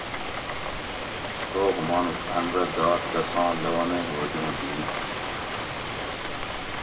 روغ مانوڄ ان رہ گا تساں لونئ ھوگیں بھید تھی